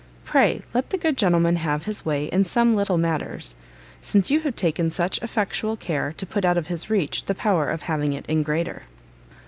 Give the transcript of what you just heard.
Pray let the good gentleman have his way in some little matters, since you have taken such effectual care to put out of his reach the power of having it in greater."